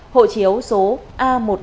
hộ chiếu số